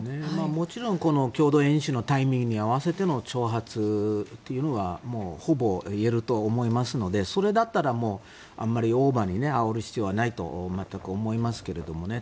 もちろん共同演習のタイミングに合わせての挑発というのがほぼ言えると思いますのでそれだったらもう、あんまりオーバーにあおる必要はないと全く思いますけれどもね。